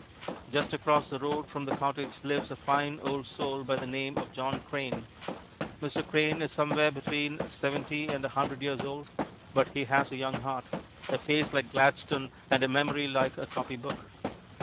Just across the road from the cottage lives a fine old soul by the name of John Crane. Mr. Crane is somewhere between seventy and a hundred years old, but he has a young heart, a face like Gladstone and a memory like a copy book.